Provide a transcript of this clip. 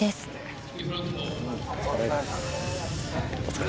お疲れ。